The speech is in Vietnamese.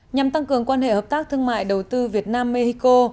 nhằm tăng cường quan hệ hợp tác thương mại đầu tư việt nam mexico